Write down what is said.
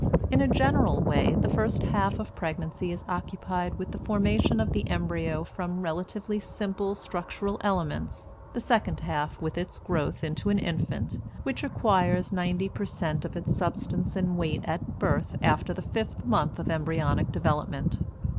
In a general way the first half of pregnancy is occupied with the formation of the embryo from relatively simple structural elements, the second half with its growth into an infant, which acquires ninety per cent. of its substance and weight at birth after the fifth month of embryonic development.